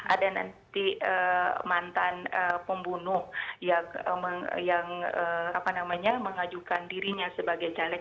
ada nanti mantan pembunuh yang menghajukan dirinya sebagai jelek